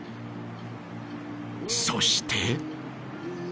［そして］